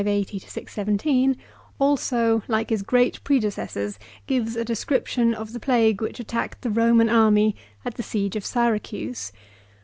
680 — 617) also, like his s^reat predecessors, g^ves a description of the plajg^e which attacked the Koman army at the siege of Syracuse.